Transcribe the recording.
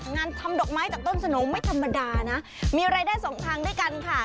งานทำดอกไม้จากต้นสนมไม่ธรรมดานะมีรายได้สองทางด้วยกันค่ะ